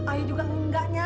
ayah juga mengingatnya